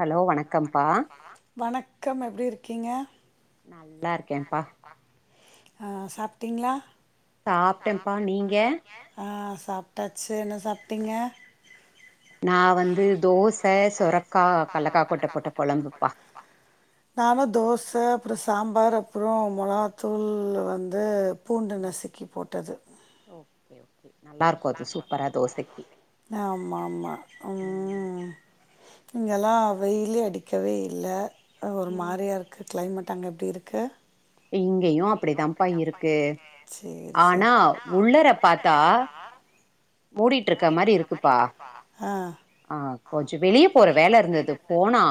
Hello வணக்கம்ப்பா வணக்கம் எப்டி இருக்கீங்க நல்லா இருக்கேப்பா ஆ சாப்ட்டீங்களா சாப்ட்டேப்பா நீங்க ஆ சாப்ட்டாச்சு என்ன சாப்ட்டீங்க நா வந்து தோச, சொரக்கா, கலக்கா கொட்ட போட்ட கொழம்புப்பா நானு தோச அப்பறோ சாம்பார் அப்பறோ மொளகாத்தூள் வந்து பூண்ட நசுக்கி போட்டது ஓகே ஓகே நல்லாருக்கு அது சூப்பரா தோசைக்கி ஆமா ஆமா ம் இங்கல்லா வெயிலே அடிக்கவே இல்ல ஒரு ம் மாரியா இருக்கு கிளைமேட்டு அங்க எப்டி இருக்கு இங்கேயு அப்டிதான்ப்பா இருக்கு சேரி சேரி ஆனா உள்ளர பாத்தா மூடிட்டு இருக்க மாரி இருக்குப்பா ஆ ஆ கொஞ்சோ வெளிய போற வேல இருந்தது போனா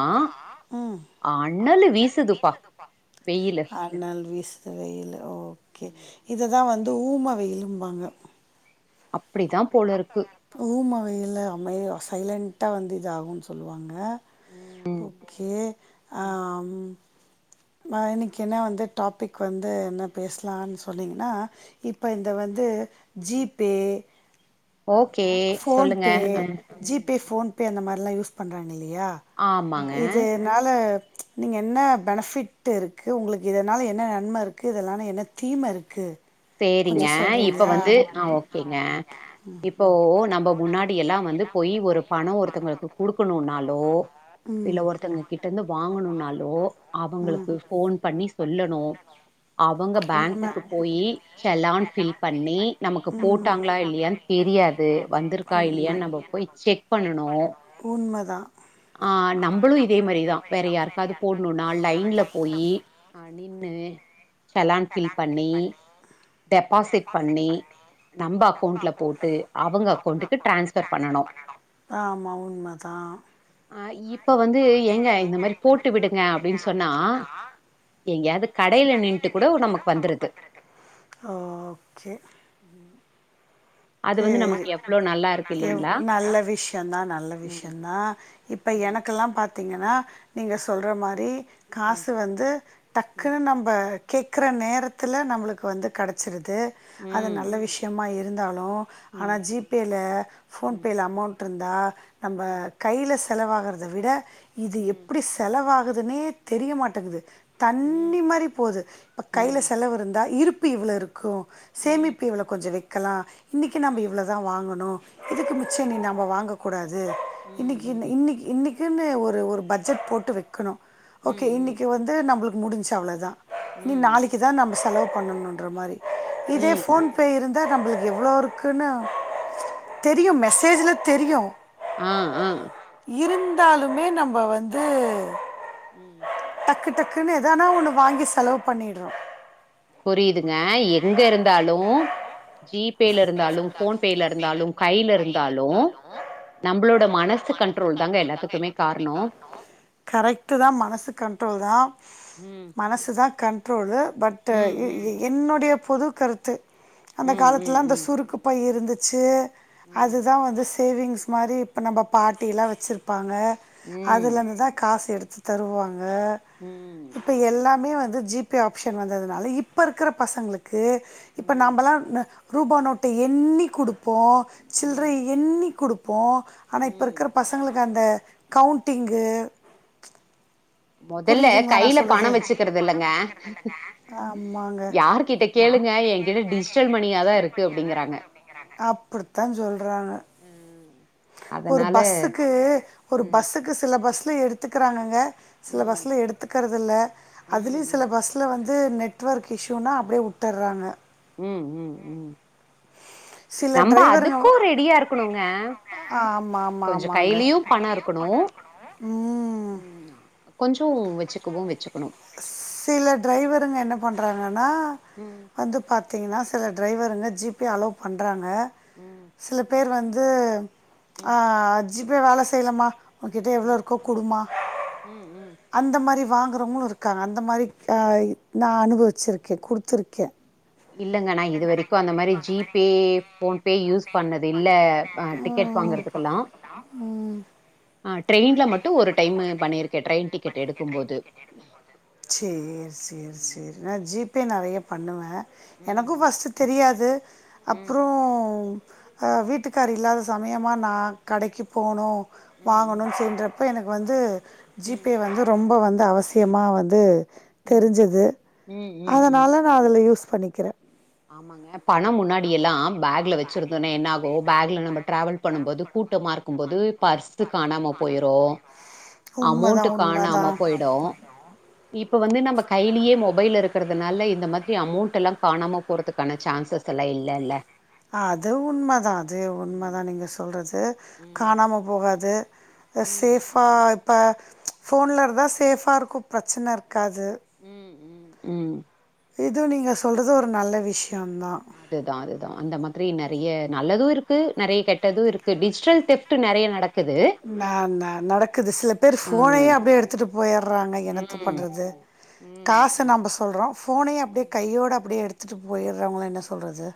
அனலு வீசுதுப்பா டுப்பா வெயிலு அனல் வீசது வெயில் ஓகே இது தா வந்து ஊம வெயிலும்பாங்க அப்டிதா போல இருக்கு ஊம வெயில் அமைதியா சைலண்டட்டா வந்து இது ஆகுன்னு சொல்லுவாங்க ம் ஓகே ஆ ம் நா இன்னக்கி என்ன வந்து டாபிக் வந்து என்ன பேசலான்னு சொன்னிங்கன்னா இப்ப இந்த வந்து ஜி ம் பே ஓகே சொல்லுங்க ம் ம் போன் பே அந்த மாரிலா யூஸ் பண்றாங்க இல்லையா ஆமாங்க. இது இதுனால நீங்க என்ன பெனஃபிட் இருக்கு உங்களுக்கு இதுனால என்ன நன்ம இருக்கு இதனால என்ன தீம இருக்கு கொஞ்சோ சேரிங்க இப்ப சொல்றீங்களா வந்து ஆ ஓகேங்க இப்போ நம்ப முன்னாடி எல்லா வந்து போய் ஒரு பணொ ஒருத்தவுங்களுக்கு குடுக்கணுனாலோ இல்ல ம் ஒருத்தங்க கிட்ட இருந்து வாங்கணுனாலோ அவுங்களுக்கு ஃபோன் பண்ணி சொல்லணு அவுங்க உண்ம பேங்க்குக்கு போயி செல்லான் ஃபில் பண்ணி நமக்கு போட்டாங்களா இல்லையான் தெரியாது வந்துருக்கா இல்லையான் நம்ம போய் செக் பண்ணனு உண்மதா ஆ நம்பளு இதே மாரிதா வேற யாருக்காது போட்ணுனா லைன்ல போயி நின்னு சல்லான் ஃபில் பண்ணி டெப்பாசிட் பண்ணி நம்ப அக்கௌண்ட்ல போட்டு அவுங்க அக்கௌண்ட்டுக்கு ட்ரான்ஸ்ஃபர் பண்ணனு ஆமா உண்ம தா அ இப்ப வந்து ஏங்க இந்த மாரி போட்டு விடுங்க அப்டின் சொன்னா எங்கயாது கடைல நின்ட்டு கூடொ நமக்கு வந்துருது ஆமா சே உம் கே நல்லா இருக்கு எவ் இல்லைங்களா நல்ல விஷ்யொந் தா நல்ல ம் விஷ்யொந்தா இப்ப ம் எனக்கெல்லா பாத் த்திங்கன்னா நீங்க சொல்ற மாரி ம் காசு வந்து டக்குன்னு நம்ப கேக்குற நேரத்துல நம்மளுக்கு வந்து கெடச்சிருது அது ம் நல்ல விஷ்யமா இருந்தாலு ஆனா ம் ஜி பே ல ஃபோன்பேல அமௌண்ட் இருந்தா நம்ம ம் கைல செலவாகறத விட இது ம் எப்டி செ செலவாகுதுன்னே தெரிய மாட்டெங்குது ம் ம் தண்ணி மாரி போது இப்ப ம் கைல செலவு இருந்தா இருப்பு இவ்ள இருக்கு ம் சேமிப்பு இவ்ளோ கொஞ்சொ வெக்கலா இன்னக்கி நம்ப ம் இவ்ளோ தா வாங்கணு இதுக்கு மிச்சொ இனி நம்ப வாங்கக் கூடாது ம் ம் இன்னக்கி இன்ன இன்னெக் இன்னெக் கினு ஒரு ஒரு பட்ஜெட் போட்டு வெக்கணு ஓகே ம் இன்னிக்குவந்து நம்ப்ளுக்கு முடுஞ்ச்சு அவ்ளோதா ம் இனி ம் நாளக்கி தா நம்ம செலவு பண்ணனுன்ற மாரி இதே ம் ஃபோன் ப்பே இருந்தா நம்ப்ளுக்கு எவ்ளோ இருக்குன்னு தெரியு மெசேஜ்ல தெரியு ஆ ஆ இருந்தாலுமே நம்ப வந்து ம் டக்கு டக்குன்னு எதானா ஒன்னு வாங்கி செலவு பண்ணிட்றோ புரியிதுங்க எங்க இருந்தாலு ஜி பேல இருந்தாலு ஃபோன் பே ல இருந்தாலு கைல இருந்தாலு நம்ப்ளோட மனசு கண்ட்ரோல் தாங்க எல்லாத்துக்குமே காரணோ ட்ரோல் தா ம் மனசு தா கண் ட்ரோலு பட் ம் ம் என்னொடைய பொது கருத்து அந்த ம் காலத் ம் ம் சுருக்கு பை இருந்துச்சு ம் அது தா வந்து சி சேவிங்ஸ் மாரி இப்ப நம்ப பாட்டியெலா வெச்சுருப்பாங்க ம் அதுலருந்து தா காசு எடுத்து தருவாங்க ம் இப்ப எல்லாமே வந்து ஜி பே ஆப்ஷன் வந்ததுனால இப்ப இருக்கற பசங்களுக்கு இப்ப ம் நாம்பலா ரூபா நோட்ட எண்ணி குடுப்போ ம் சில்ரை எண்ணி குடுப் போ ஆனா இப்ப ம் இருக்குற பசங்களுக்கு அந்த கவுண்டிங்கு மொதல்ல புரியுதுங்களா நா கையில சொல்றது பணோ வெச்சுக்கறது இல்லங்க ஆமாங்க யார்கிட்ட கேளுங்க எகிட்ட டிஜி அப்புடித்தா சொல்றாங்க ஒரு அதனால பஸ்ஸுக்கு ஒரு ம் பஸ்ஸுக்கு சில பஸ்ல எடுத்துக்குறாங்கங்க சில ம் பஸ்ல எடுத்துக்கறது இல்ல ம் அதுலயு சில பஸ் ல வந்து நெட்வொர்க் இஷ்யூனா அப்டியே உட்டற்றாங்க ம் ம் ம் சில நம்ப டிரைவருங்க அதுக்கு ரெடியா இருக்குணுங்க ஆமா ஆமா கொஞ்ச ஆமாங்க கைய்லியு பணோ இருக்கணு ம் ம் ஆ கொஞ்சோ வெச்சுக்கவு வெச்சுக்கணு சில ட்ரைவருங்க என்ன பண்றாங்கனா ம் வந்து பாத்திங்ன்னா சில ட்ரைவருங்க ஜி பே அலோ பண்றாங்க ம் சில பேர் வந்து அ ம் ஜி பே வேல செய்லமா உகிட்ட எவ்ளோ ம் இருக்கோ குடுமா ம் ம் அந்த மாரி வாங்குறவங்களு இருக்காங்க அந்த மாரி ஆ நா அனுபவிச்சிருக்கே குடுத்துருக்கே இல்லங்க நா இது வரிக்கு அந்த மாரி G Pay PhonePe use பண்ணது இல்ல ஆ டிக்கெட் வாங்குறதுக்குல்லா ம் ஆ ட்ரெயின்ல மட்டு ஒரு டைமு பண்ணிருக்கே ட்ரெயின் டிக்கெட் எடுக்கும்போது சேர் சேரி சேரி ம் நா ஜி பே நறைய பண்ணுவே எனக்கு ம் ஃபஸ்டு தெரியாது ம் அப்றோ ஆ வீட்டுக்காரு இல்லாத சமயமா நா கடைக்கு போணு ம் ம் வாங்கணுன் சொல் றப்ப எனக்கு வந்து ஜி ம் பே வந்து ரொம்ப வந்து அவசியமா வந்து ம் தெரிஞ்சது ம் ம் அதனால நா அதுல யூஸ் பண்ணிக்கிறே ஆமாங்க பணோ முன்னாடியெல்லா பேக்ல வெச்சு சுருந்த உட்டே என்னாகு பேக்ல நம்ம ட்ராவல் பண்ணும்போது கூட்டமா இருக்கும்போது பர்ஸ் து காணாம போய்ரு அமௌண்ட்டு உண்மதான், காணாம உண்மதான். போய்டு இப்ப வந்து நம்ம கைலியே மொபைல் இருக்கறதுனால இந்த மாரி அமௌண்ட் எல்லா காணாம பொறத்துக்கான சான்சஸ் எல்லா இல்லல்ல அது உண்மதா அது உண்மதா ம். நீங்க சொல்றது ம். காணாம போகாது ம். சேஃபா இப்ப ஃபோன்ல இருந்தா சேஃபா இருக்கு ப்ரச்சன இருக்காது ம் ம் ம் இது நீங்க சொல்றது ஒரு நல்ல விஷயோந்தா அதுதா அதுதா அந்த மாதிரி நறைய நல்லது இருக்கு நறைய கெட்டது இருக்கு டிஜிட்டல் தெஃப்ட்டு நறைய நடக் ந ந நடக்குது சில பேர் ம். ஃபோனயே அப்டியே எடுத்துட்டு போய்ற்றாங்க எனத்த ம். பண்றது ம் காசு அ. நம்ப சொல்றோ ஃபோனயே அப்டியே ம். கையோட அப்டியே எடுத்துட்டு போயிற்றவுங்களா என்ன சொல்றது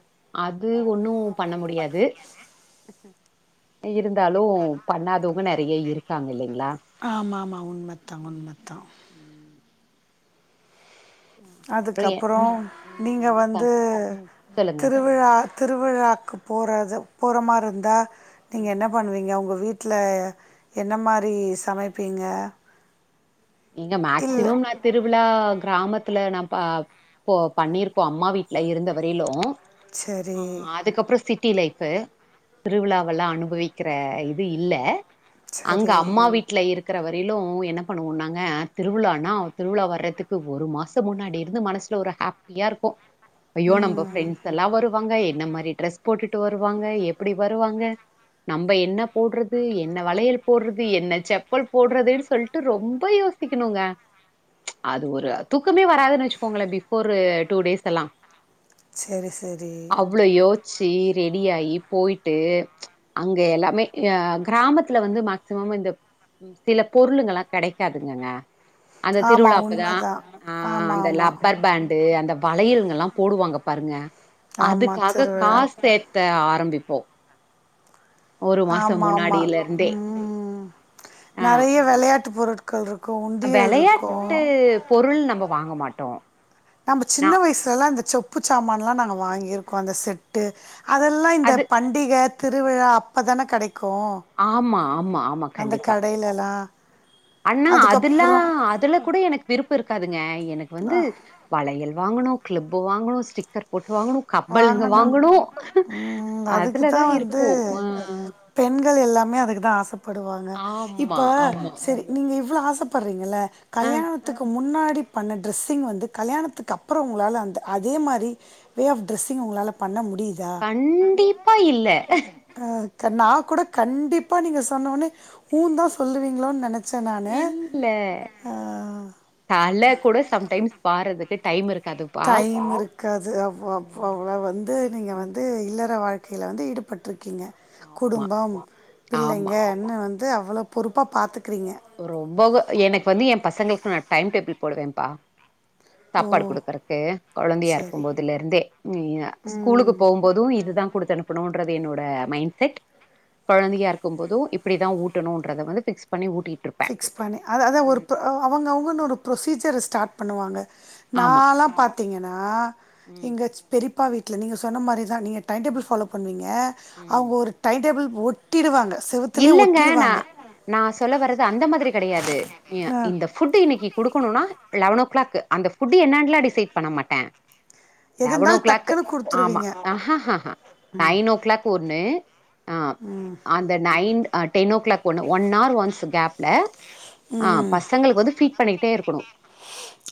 அது ஒன்னு பண்ண முடியாது இருந்தாலு பண்ணாதவங்க நறைய இருக்காங்க இல்லீங்ளா ஆமா ஆமா உண்மத்தா உண்மத்தா ம். அ அப்புறம் எ அதுக்கப்ரோ ம் நீங்க என்ன வந்து சம் ம். சொல்லுங்க. திருவிழா திருவிழாக்கு போறது போற மாரி இருந்தா அ. நீங்க என்ன பண்ணுவீங்க உங்க வீட் வீட்ல என்ன மாரி சமைப்பீங்க இங்க இல்லை மேக்டிமம் மேத் திருவிழா கிராமத்துல நா பா போ பண்ணியிருக்கோ அம்மா வீட்ல இருந்தவரையிலு ஆ சரி அதுக்கப்புற சி ட்டி லைஃப் திருவிழாவெல்லா அனுபவிக்கிற இது இல்ல அங்க சரி அம்மா வீட்ல இருக்கிற வரையிலு என்ன பண்ணுவோ நாங் க திருவிழானா திருவிழா வர்றதுக்கு ஒரு மாச முன்னாடி இருந்து மனசுல ஒரு ஹாப்பியா இருக்கு ஐயோ நம்ம ம் ஃப்ரெண்ட்ஸ் எல்லா வருவாங்க என்ன மாரி டிரெஸ் போட்டுட்டு வருவாங்க எப்டி வருவாங்க நம்ப என்ன போடுறது என்ன வளையல் போடுறது என்ன செப்பல் போடுறதுன்னு சொல்ட்டு ரொம் ப யோசிக்கணுங்க அது ஒரு தூக்கமே வராதுன்னு வச்சிக்கோங்கள பிபோர் டூ டேஸ் எல்லா செரி செரி அவ்ளோ யோசிச்சி ரெடியாய் போயிட்டு அங்க எல்லாமே அ கிராமத்துல வந்து மேக்சிமம் இந்த சில பொருளுங்கல்லா கெடை இருக்காதுங்க அந்த திருவிழா ஆமாம் அப்பதா உண்மை தான் ஆ ஆமாம் அந்த ஆமாம் லப்பர் பேண்ட் டு அந்த வளையல்கள் எல்லா போடுவாங்க பாருங்க ஆமாம் அதுக்காக திருவிழா காசு செத் த ஆரம்பிப்போ ஒரு மாசோ ஆமா ஆமா முன்னாடியில இருந்தே ம் ம் ம் ஆ நறைய விளையாட்டு பொருட் கள் இருக்கு உண்டியல் இருக்கு வெளையாட்டு பொருள் நம்ப வாங்கமாட்டோ நம்ம சின்ன வயசுல எல்லா இந்த செப்பு சாமான்னா நாங்க வாங்கியிருக்கோ அந்த செட்டு அதெல்லா இந்த அது பண்டிக திருவிழா அப்ப தான கெடைக்கு ஆமா ஆமா ஆமா கண்டிப்பா கடேலேல்லா அண்ணா அதுலா அதுல கூட எனக்கு விருப்ப இருக்காதுங்க எனக்கு வந்து அஹ், வழயல் வாங்கணு கிளிப்பு வாங்கணு ஸ்டிக்கர் போட்ட வாங்கணு கப்பல் இங்க வாங்கணும் வாங்கணு ம், அதுக்கு அதுலதா தான் வந்து இருக்கோ ஒஅ பெண்கள் எல்லாமே அதுக்கு தா ஆசப்படுவாங்க இப்ப ஆமா, ஆமா. சரி நீங்க இவ்ளோ ஆசப்படுறீங்கள ஆ கல்யாணத்துக்கு முன்னாடிப் பண்ண ட்ரெஸ்ஸிங் வந்து கல்யாணத்துக்கு அப்ரோ உங்களால அந்த அதே மாரி வே ஆப் ட்ரெஸ்ஸிங் உங்களால பண்ண முடியுதா கண்டிப்பா இல்ல. ஆ நா கூட கண்டிப்பா நீங்க சொன்ன உனே ஊ தா சொல்லுவீங்களோனு நெனச் ச நானு இல்ல. ஆ ஆ தல கூட சம்டைம்ஸ் வாறதுக்கு டைம் இருக்காது டைம் மிரு காது அப்பா அப்பா விலா வந்து நீங்க ம். வந்து இல்லற வாழ்கைல வந்து ஈடுபட்டிருக்கீங்க ஆமா, குடும்பம் ஆமா. பிள்ளைங்கன்னு வந்து அவ்ளோ பொறுப்பா பாத்துக்கிறீங்க ரொம்பவோ எனக்கு வந்து ஏ பசங்களுக்கு நா டைம் டேபிள் போடுவே பா ஓ சாப்பாடு குடுக்குறக்கு கொழந்தையா இருக்கு சரி போதுலருந்தே ஸ்கூலுக்கு ம் போகும் போது இதுதா குடுத்து அனுப்பணுன்றது என்னோட மைண்ட் செட் கொழந்தையா இருக்கும் போதும் இப்டிதா ஊட்டணும்ன்றத வந்து பிக்ஸ் பண்ணி ஊட்டி ஃபிக்ஸ் பண்ணி அது அதை ஒரு ப் ஒரு அவுங்க அவுங்கன்னு ஒரு ப்ரொசீஜர ஸ்டார்ட் பண்ணுவாங்க ஆமா நாலா பாத்தீங்கன்னா ம் இங்க பெரியப்பா வீட்ல நீங்க சொன்ன மாரி தா நீங்க டைம் டேபிள் ம் ஃபாலோ பண்ணுவீங்க ம் அவுங்க ஒரு டைம் டேபிள் ஒட் ஒட்டிருவாங்க செவுத் இல்லங்க நா நா சொல்ல வர்றது அந்த மாதிரி கெடையாது யா அ இந்த ஃபுட் இன்னைக்கி குடுகணும்னா லெவன் ஓ கிளாக் அந்த ஃபுட்டு் என்னான்லா டிசைட் பண்ண மாட்டே எது லெவன் ஓ இருந்தாலும் கிளாக் டக்குன்னு ஆமா குடுத்துருவீங்க. ஹ ஹ ஹ நைன் ஓ கிளாக் ஒன்னு ஆ ம் அந்த நைன் ஆ டென் ஓ கிளாக் ஒண்ணு ஒன் ஆர் ஒன்ஸ் கேப்ல ஆ ம். பசங்களுக்கு வந்து ஃபீட் பண்ணிட்டே இருக்கணு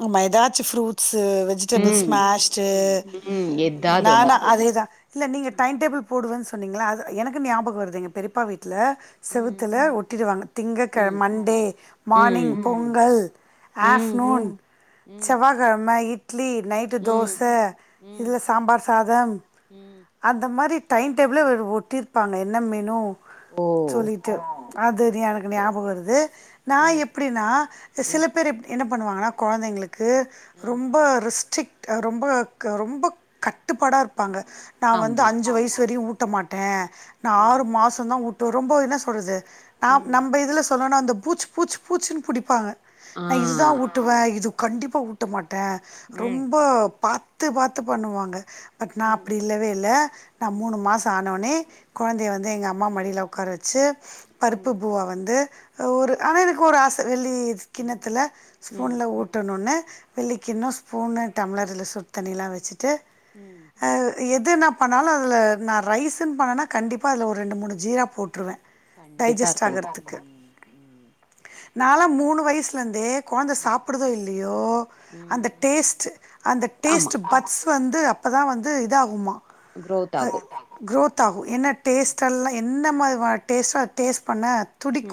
ஆமா எதாச்சி ஃப்ரூட்ஸு வெஜிடபிள்ஸ் ம் மேஷ்டு ம் ம் எதாது ஒண்ணு நாணு அதேதா இல்ல நீங்க டைம் டேபிள் போடுவேன்னு சொன்னீங்களா அது எனக்கு ஞாபகம் வருது எங்க பெரியப்பா வீட்ல ம் செவுத்துல ஒட்டிடுவாங்க திங்க கெழம ம் மண்டே ம் மார்னிங் பொங்கல் ம் ஆஃப் ம் நூன் ம் செவ்வாகெழம இட்லி நைட் டு ம் தோச ம் இல்ல சாம்பார் சாதம் ம் அந்த மாரி டைம் டேபிளே ஒட்டியிருப்பாங்க என்ன மெனு ஓ சொல்லிட்டு அது ஓகே எனக்கு ஓகே ஞாபகோ ஓகே வருது நா அ எப்டின்னா இந்த அ சில பேர் என்ன பண்ணுவாங்கன்னா கொழந்தைங்களுக்கு அ ரொம்ப ரெஸ்ட்ரிக்ட் ரொம்ப ரொம்ப கட்டுப்பாடா இருப்பாங்க நா வந்து ஆமா அஞ்சு வயசு வரையு ஊட்ட மாட்டே நா ம் ஆறு மாச தா ஊட்டுவே ரொம்ப என்ன சொல்றது நா ம் நம்ம இதுல சொல்லனா அந்த பூச்சு பூச்சு பூச்சுனு புடிப்பாங்க ஆ நான் இதுதா உட் நா இது கண்டிப்பா ஊட்ட மாட்டே ம் ரொம்ப பாத்து பாத்து பண்ணுவாங்க பட் நா ம் அப்டி இல்லவே இல்ல நா ம் மூணு மாசோ ஆனோன்னே கொழந்தைய வந்து எங்க அம்மா மடியில உட்கார வச்சு பருப்பு ம் பூவா வந்து ஒரு ஆனா எனக்கு ஒரு ஆசை வெள்ளி ம் கிண்ணத்துல ம் ஸ்பூன்ல ஊட்டணுன்னு வெள்ளிக் கிண்ணோ ஸ்பூனு டம்ளர்ல சுடு தண்ணியிலா வச்சுட்டு ம் அ எது நா பண்ணாலு அதுல நா ரைஸுன்னு பண்ணேன்னா கண்டிப்பா அதுல ஒரு ரெண்டு மூணு ஜீரா போட்டுருவே கண்டிப்பா டைஜஸ்ட் இருக்கணு ஆகுறதுக்கு ம் ம் நாலா மூணு வயசுலர்ந்தே கொழந்தை ம் சாப்புடுதோ இல்லயோ ம் அந்த டேஸ்ட் அந்த ஆமா டேஸ்ட் பட்ஸ் வந்து அப்பதா வந்து இதாகுமா குரோத் ஆகு க்ரோத் ஆகு என்ன டேஸ்ட்டல்லா என் என்ன மாரி வா டேஸ்ட்டோ டேஸ்ட் பண்ண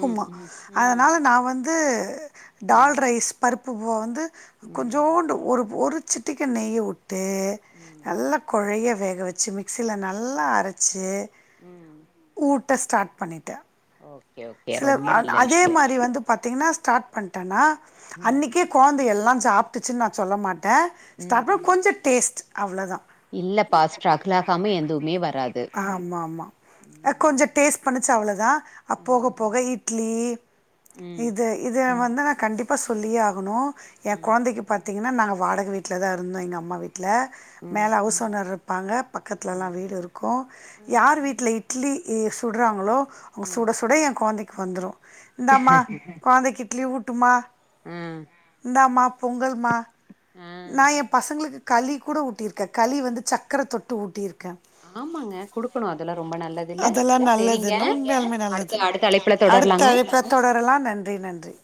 ம் ம் ம் அதுனால நா வந்து டால் ம் ரைஸ் பருப்பு பூவா வந்து ம் கொஞ்சோண்டு ஒரு ஒரு சிட்டிக நெய்ய உட் உட்டு ம் நல்லா குழைய வேக வச்சு மிக்சியில நல்லா அரைச்சு ம் ஊட்ட ஸ்டார்ட் பண்ணிட்டே ஓகே ஓக் சில அதே மாதிரி வந்து பாத்தீங்கன்னா ஸ்டார்ட் பண்ணிட்டேன்னா ம் அன்னைக்கே குழந்தை எல்லா சாப்பிட்டுச்சுன்னு நா சொல்ல மாட்டே ம் ஸ்டப்பில் ம் கொஞ்சோ டேஸ்ட் அவ்ளோ தா இல்லப்பா ஸ்ட்ரகிள் ஆகாம எதுமே வராது ஆமா ஆமா அ ம் கொஞ்சோ டேஸ்ட் பண்ணுச்சு அவ்ளோதா அ போக ம் போக இட்லி ம் இது இத வந்து நா கண்டிப்பா சொல்லியே ஆகணு எ ம் கொழந்தைக்கு பாத்தீங்கன்னா நாங்க வாடக வீட்டிலதா இருந்தோ எங்க அம்மா வீட்ல ம் மேல ஹவுஸ் ஓனர் இரு ப்பாங்க பக்கத்துலல்லா வீடு இருக்கு ம் யார் வீட்ல இட்லி சுடுறாங்களோ ம் சுட சுட எ கொழந்தைக்கு வந்துரு இந்தாம்மா கொழந்தைக்கு இட்லிய ஊட்டும்மா அ இந்தாம்மா பொங்கல்மா ஆ ஆ நா எ பசங்களுக்கு களி கூட ஊட்டிருக்க களி வந்து சக்கர தொட்டு ஊட்டிருக்க ஆமாங்க குடுக்கணு அதெல்லா ரொம்ப நல்லதுல்ல அதெல்லா சரிங்க நல்லதுன்னு உண்மையாலுமே அடு நல்லது த்த அடுத்த அழைப்புல தொடரலாங்க அடுத்த அழைப்புல தொடரலா நன்றி நன்றி